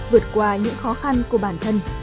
vượt qua những khó khăn của bản thân